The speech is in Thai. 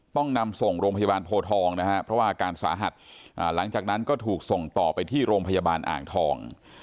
ต้องนำส่งโรงพยาบาลโพทองนะฮะเพราะว่าอาการสาหัสหลังจากนั้นก็ถูกส่งต่อไปที่โรงพยาบาลอ่างทอง